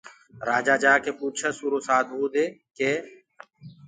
راجآ جآڪي پوٚڇس اُرو سآڌوٚئودي ڪي